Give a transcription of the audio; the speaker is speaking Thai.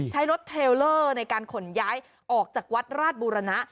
ใช้รถเทรลเลอร์ในการขนย้ายออกจากวัดราชบูรณะ